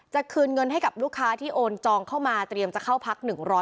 คืนเงินให้กับลูกค้าที่โอนจองเข้ามาเตรียมจะเข้าพัก๑๐๐